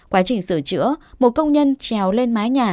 quá trình sửa chữa một công nhân trèo lên mái nhà